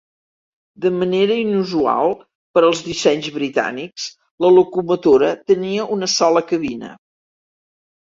De manera inusual, per als dissenys britànics, la locomotora tenia una sola cabina.